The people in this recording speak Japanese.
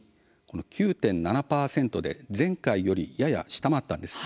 ９．７％で前回よりやや下回りました。